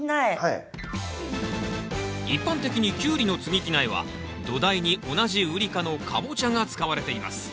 一般的にキュウリの接ぎ木苗は土台に同じウリ科のカボチャが使われています。